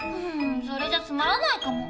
それじゃつまらないかも。